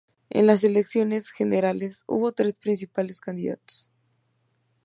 En las elecciones generales hubo tres principales candidatos.